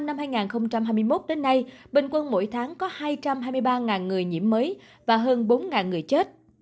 từ tháng năm năm hai nghìn hai mươi một đến nay bình quân mỗi tháng có hai trăm hai mươi ba người nhiễm mới và hơn bốn người chết